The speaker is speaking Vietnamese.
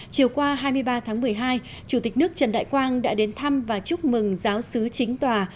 chiều qua hai mươi ba tháng một mươi hai chủ tịch nước trần đại quang đã đến thăm và chúc mừng giáo sứ chính tòa